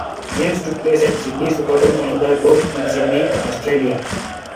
Games took place at the Sydney SuperDome and the Dome in Sydney, Australia.